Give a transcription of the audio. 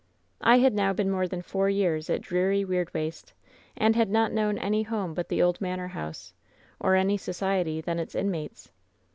"I had now been more than four years at dreary Weirdwaste, and had not known any home but the old manor house, or any society than its inmates.